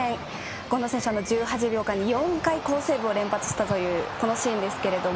権田選手、１８秒間に４回好セーブを連発したというこのシーンですが。